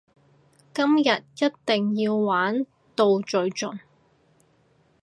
今日一定要玩到最盡！